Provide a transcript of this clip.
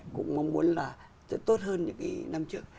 cũng mong muốn là tốt hơn những năm trước